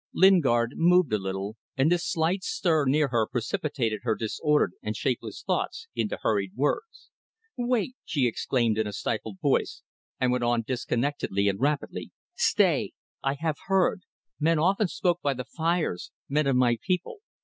Lingard moved a little, and this slight stir near her precipitated her disordered and shapeless thoughts into hurried words. "Wait!" she exclaimed in a stifled voice, and went on disconnectedly and rapidly "Stay. I have heard. Men often spoke by the fires ... men of my people.